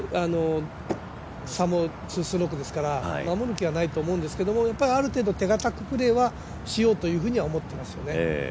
差も２ストロークですから守る気はないと思いますがある程度、手堅くプレーはしようとは思ってますよね。